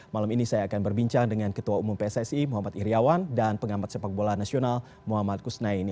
malam ini saya akan berbincang dengan ketua umum pssi muhammad iryawan dan pengamat sepak bola nasional muhammad kusnaini